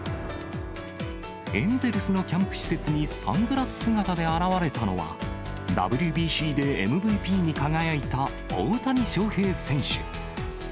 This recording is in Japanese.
エンゼルスのキャンプ施設にサングラス姿で現れたのは、ＷＢＣでＭＶＰに輝いた大谷翔平選手。